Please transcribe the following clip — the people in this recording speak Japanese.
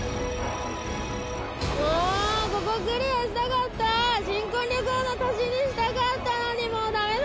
もうここクリアしたかった新婚旅行の足しにしたかったのにもうダメだ